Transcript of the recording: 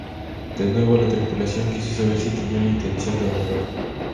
De nuevo la tripulación quiso saber si tenía la intención de abordar.